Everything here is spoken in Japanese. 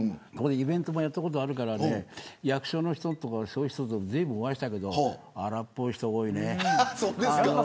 イベントもやったことあるから役所の人とかずいぶん、お会いしたけど荒っぽい人多いね。